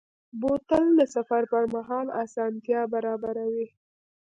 بوتل د سفر پر مهال آسانتیا برابروي.